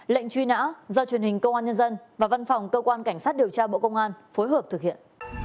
lệnh truy nã do truyền hình công an nhân dân và văn phòng cơ quan cảnh sát điều tra bộ công an phối hợp thực hiện